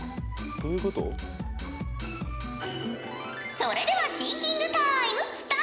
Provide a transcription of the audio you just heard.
それではシンキングタイムスタートじゃ！